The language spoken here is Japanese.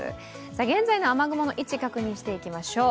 現在の雨雲の位置、確認していきましょう。